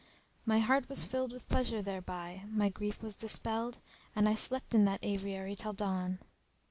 My heart was filled with pleasure thereby; my grief was dispelled and I slept in that aviary till dawn.